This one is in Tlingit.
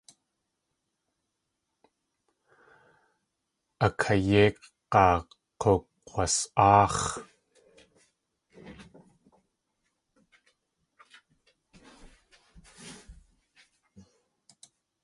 A kayéikg̲aa k̲ukg̲was.áax̲.